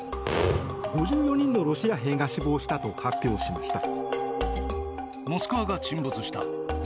５４人のロシア兵が死亡したと発表しました。